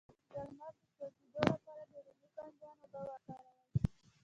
د لمر د سوځیدو لپاره د رومي بانجان اوبه وکاروئ